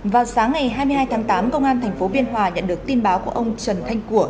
vào sáng ngày hai mươi hai tháng tám công an tp biên hòa nhận được tin báo của ông trần thanh của